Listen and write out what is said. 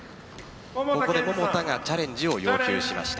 ここで桃田がチャレンジを要求しました。